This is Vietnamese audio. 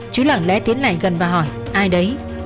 chứ lẳng lẽ tiến lại gần và hỏi ai đấy